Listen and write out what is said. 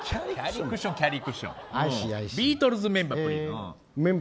ビートルズメンバープリーズ！